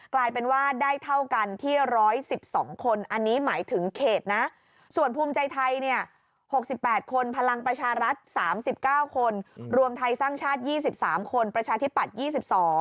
กลายเป็นว่าได้เท่ากันที่๑๑๒คนอันนี้หมายถึงเขตนะส่วนภูมิใจไทยเนี่ย๖๘คนพลังประชารัฐ๓๙คนรวมไทยสร้างชาติ๒๓คนประชาธิปัตย์๒๒